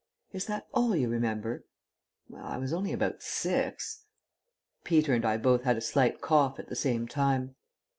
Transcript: "Is that all you remember?" "Well, I was only about six " Peter and I both had a slight cough at the same time.